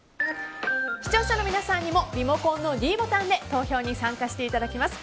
視聴者の皆さんにもリモコンのｄボタンで投票に参加していただきます。